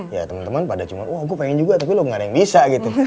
ya teman teman pada cuman wah gue pengen juga tapi lo gak ada yang bisa gitu